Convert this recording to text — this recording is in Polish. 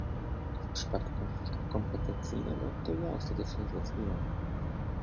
"w przypadku konfliktu kompetencyjnego to ja ostatecznie zdecyduję"